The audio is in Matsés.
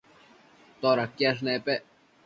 todaquiash nepec?